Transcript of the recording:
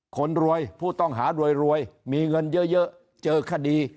คนรวยผู้ต้องหารวยมีเงินเยอะเจอคดี